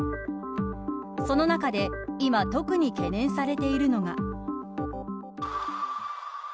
その中で今、特に懸念されているのが。